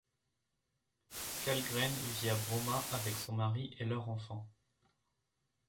Källgren vit à Bromma avec son mari et leur enfant.